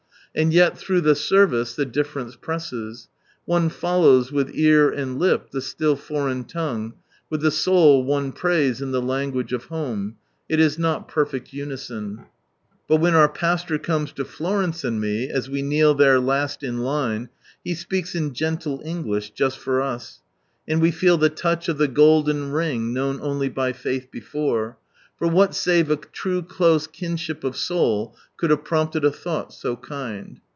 And yet through the service the difference presses. One follows with ear and lip, the still foreign tongue, with the soul one prays in the language of home : it is not perfect unison. But when our pastor comes to Florence and me, as we kneel there last in line, he speaks in gentle English, just for us, and we feel the touch of the golden ring known only by faith before — for what save a true close kinship of soul could have prompted a thought so kind?